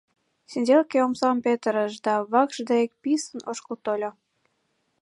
Сиделке омсам петырыш да вакш дек писын ошкыл тольо.